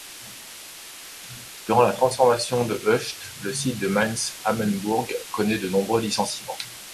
Durant la transformation de Hoechst, le site de à Mainz-Amöneburg connaît de nombreux licenciements.